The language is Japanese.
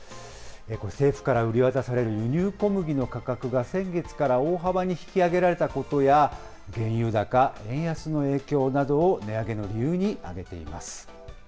これ、政府から売り渡される輸入小麦の価格が先月から大幅に引き上げられたことや、原油高、円安の影響などを値上げの理由に挙げています。